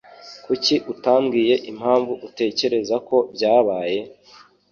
Kuki utambwiye impamvu utekereza ko byabaye?